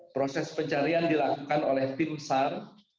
proses pencarian dilakukan oleh tim sar